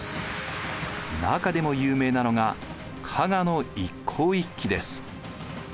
中でも有名なのが加賀の一向一揆です。